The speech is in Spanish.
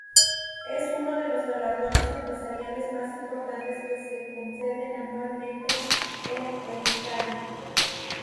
Es uno de los galardones empresariales más importantes que se conceden anualmente en Euskadi.